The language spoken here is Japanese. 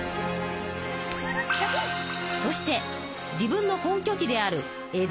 そして自分の本拠地である江戸